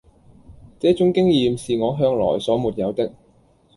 這種經驗是我向來所沒有的